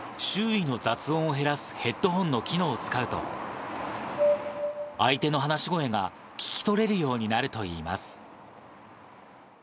周囲の雑音を減らすヘッドホンの機能を使うと、相手の話し声が聞き取れるようになるといいます。